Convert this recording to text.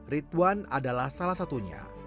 ritwan adalah salah satunya